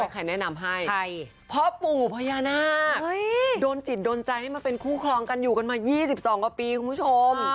ใครแนะนำให้พ่อปู่พญานาคโดนจิตโดนใจให้มาเป็นคู่ครองกันอยู่กันมา๒๒กว่าปีคุณผู้ชม